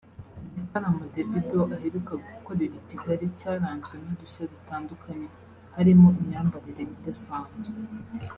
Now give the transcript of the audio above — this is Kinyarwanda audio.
Igitaramo Davido aheruka gukorera i Kigali cyaranzwe n’ udushya dutandukanye harimo imyambarire idasanzwe